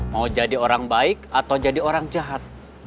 mau jadi orang baik atau jadi orang jahat